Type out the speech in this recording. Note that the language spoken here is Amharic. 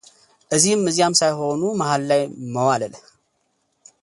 እዚህም እዚያም ሳይሆኑ መሃል ላይ መዋለል።